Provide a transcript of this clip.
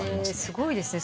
すごいですね。